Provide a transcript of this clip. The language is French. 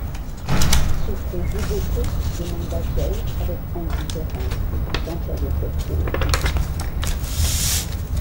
Souffrez-vous beaucoup? demanda-t-elle avec indifférence, tant elle était préoccupée.